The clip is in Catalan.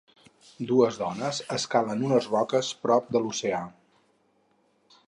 Dues dones escalen unes roques prop de l'oceà.